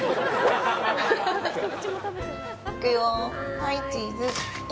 はい、チーズ。